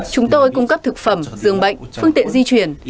chúng tôi cung cấp thực phẩm dường bệnh phương tiện di chuyển